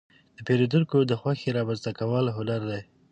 د پیرودونکو د خوښې رامنځته کول هنر دی.